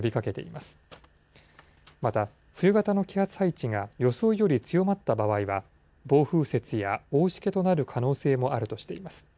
また、冬型の気圧配置が予想より強まった場合は、暴風雪や大しけとなる可能性もあるとしています。